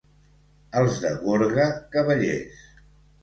Els de Gorga, cavallers.